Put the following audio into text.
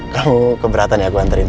kamu keberatan ya gue nganterin